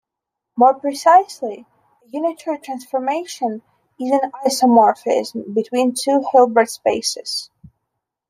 More precisely, a unitary transformation is an isomorphism between two Hilbert spaces.